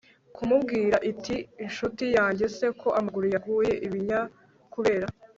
kumubwira itinshuti yange se, ko amaguru yaguye ibinya kubera